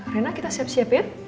rena kita siap siap ya